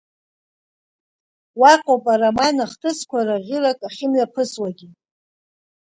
Уаҟоуп ароман ахҭысқәа рӷьырак ахьымҩаԥысуагьы.